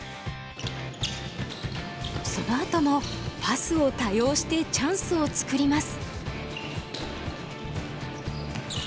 そのあともパスを多用してチャンスを作ります。